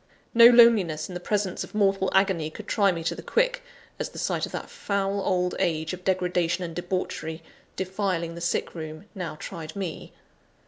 No loneliness in the presence of mortal agony could try me to the quick, as the sight of that foul old age of degradation and debauchery, defiling the sick room, now tried me.